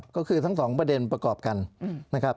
ก็คือทั้งสองประเด็นประกอบกันนะครับ